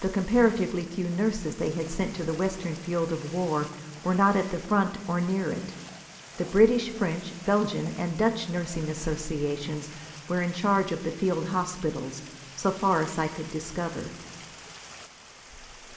The comparatively few nurses they had sent to the western field of war were not at the front or near it. The British, French, Belgian and Dutch nursing associations were in charge of the field hospitals, so far as I could discover.